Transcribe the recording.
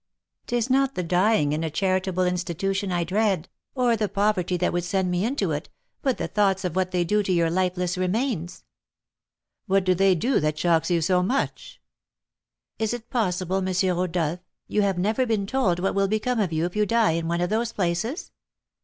"'Tis not the dying in a charitable institution I dread, or the poverty that would send me into it, but the thoughts of what they do to your lifeless remains." "What do they do that shocks you so much?" "Is it possible, M. Rodolph, you have never been told what will become of you if you die in one of those places?"